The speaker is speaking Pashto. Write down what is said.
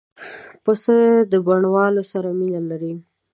پسه د بڼوالو سره مینه لري.